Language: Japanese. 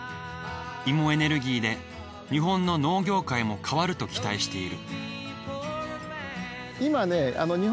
芋エネルギーで日本の農業界も変わると期待している。